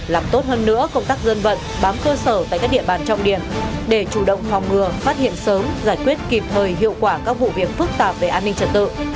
làm tốt hơn nữa công tác dân vận bám cơ sở tại các địa bàn trọng điểm để chủ động phòng ngừa phát hiện sớm giải quyết kịp thời hiệu quả các vụ việc phức tạp về an ninh trật tự